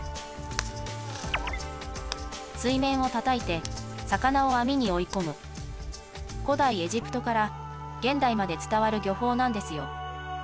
水面をたたいて魚を網に追い込む古代エジプトから現代まで伝わる漁法なんですよ